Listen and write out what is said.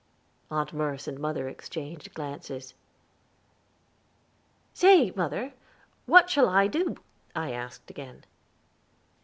Aunt Merce and mother exchanged glances. "Say, mother, what shall I do?" I asked again.